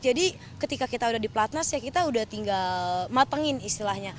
jadi ketika kita udah di platnas ya kita udah tinggal matengin istilahnya